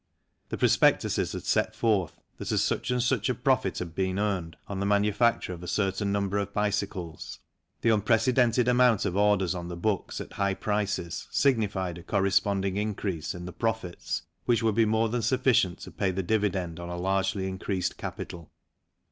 The prospectuses had set forth that as such and such a profit had been earned on the manufacture of a certain number of bicycles,, the unprecedented amount of orders on the books at high prices signified a corresponding increase in the profits, which would be more than sufficient to pay the dividend on a largely increased capital.